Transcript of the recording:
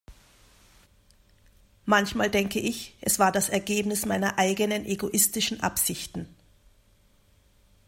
Manchmal denke ich, es war das Ergebnis meiner eigenen egoistischen Absichten.